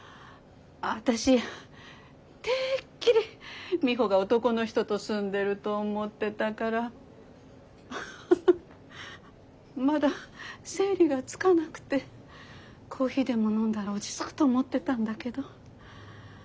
私てっきりミホが男の人と住んでると思ってたからまだ整理がつかなくてコーヒーでも飲んだら落ち着くと思ってたんだけど。